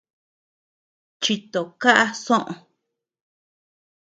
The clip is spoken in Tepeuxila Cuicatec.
Chito kaʼa soʼö.